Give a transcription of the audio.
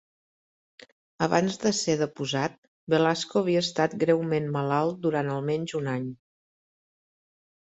Abans de ser deposat, Velasco havia estat greument malalt durant almenys un any.